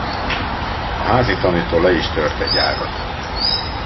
A házitanító le is tört egy ágat.